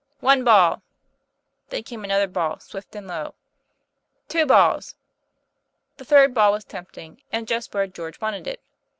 "One ball." Then came another ball, swift and low. "Two balls." The third ball was tempting, and just where George wanted it.